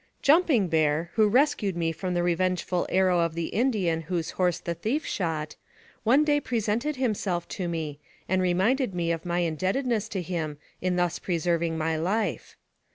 "JUMPING BEAR," who rescued me from the re vengeful arrow of the Indian whose horse the chief shot, one day presented himself to me, and reminded me of my indebtedness to him in thus preserving my life.